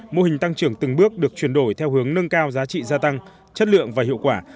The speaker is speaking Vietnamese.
mô hình tăng trưởng từng bước được chuyển đổi theo hướng nâng cao giá trị gia tăng chất lượng và hiệu quả